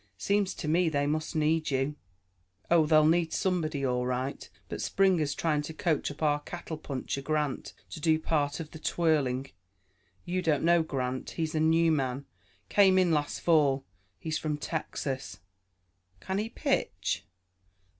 Seems to me they must need you." "Oh, they'll need somebody, all right; but Springer's trying to coach up our cattle puncher, Grant, to do part of the twirling. You don't know Grant. He's a new man; came in last fall. He's from Texas." "Can he pitch?"